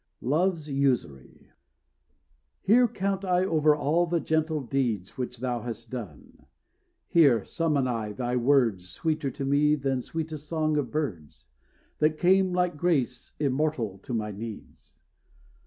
LOVE'S USURY Here count I over all the gentle deeds Which thou hast done; here summon I thy words, Sweeter to me than sweetest song of birds; That came like grace immortal to my needs.